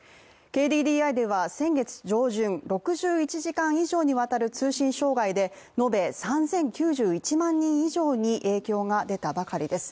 ＫＤＤＩでは先月上旬、６１時間以上にわたる通信障害で延べ３０９１万人以上に影響が出たばかりです。